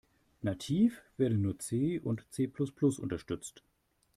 Nativ werden nur C und C-plus-plus unterstützt.